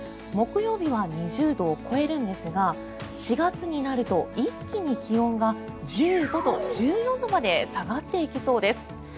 木曜日は２０度を超えるんですが４月になると一気に気温が１５度、１４度まで下がっていきそうです。